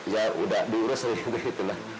ya udah diurus lah gitu lah